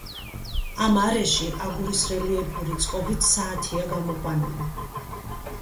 ამ არეში აგურის რელიეფური წყობით საათია გამოყვანილი.